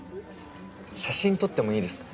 写真撮ってもいいですか？